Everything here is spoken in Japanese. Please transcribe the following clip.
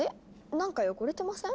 なんか汚れてません？